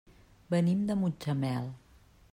Venim de Mutxamel.